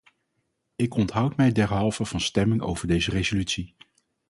Ik onthoud mij derhalve van stemming over deze resolutie.